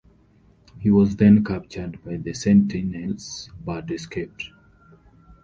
He was then captured by the Sentinels, but escaped.